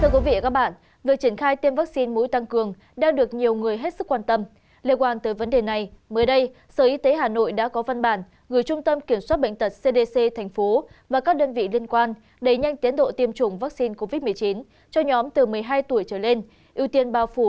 các bạn hãy đăng ký kênh để ủng hộ kênh của chúng mình nhé